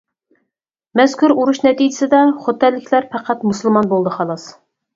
مەزكۇر ئۇرۇش نەتىجىسىدە خوتەنلىكلەر پەقەت مۇسۇلمان بولدى خالاس!